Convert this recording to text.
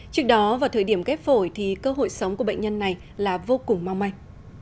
trước đó vào thời điểm ghép phổi thì cơ hội sống của bệnh nhân này là vô cùng mau mạch